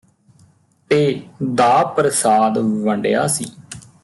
ਤੇ ਦਾ ਪ੍ਰਸਾਦਿ ਵੰਡਿਆ ਸੀ